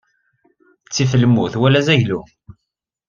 Ttif lmut wala azaglu.